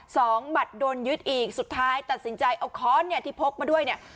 หมัดโดนยึดอีกสุดท้ายตัดสินใจเอาค้อนเนี่ยที่พกมาด้วยเนี่ย